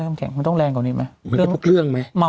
มันต้องแรงกว่านี้ไหม